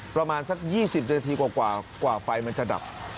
ประมาณสัก๒๐นาทีกว่าไฟมันจะดับ